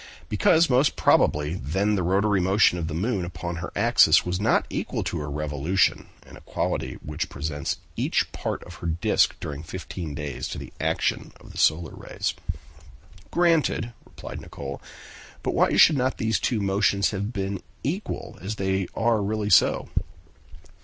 "Because most probably then the rotary motion of the moon upon her axis was not equal to her revolution, an equality which presents each part of her disc during fifteen days to the action of the solar rays." "Granted," replied Nicholl, "but why should not these two motions have been equal, as they are really so?"